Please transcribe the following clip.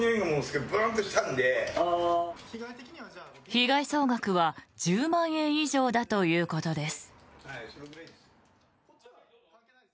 被害総額は１０万円以上だということです。